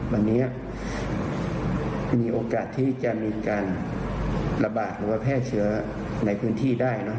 วันนี้มีโอกาสที่จะมีการระบาดหรือว่าแพร่เชื้อในพื้นที่ได้